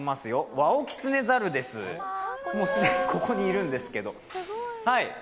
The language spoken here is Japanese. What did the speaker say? ワオキツネザルです既にここにいるんですけど。